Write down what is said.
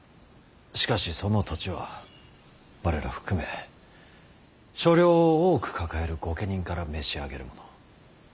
しかしその土地は我ら含め所領を多く抱える御家人から召し上げるもの。